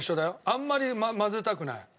あんまり混ぜたくない。